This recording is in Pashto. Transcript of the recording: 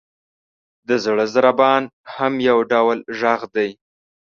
• د زړه ضربان هم یو ډول ږغ دی.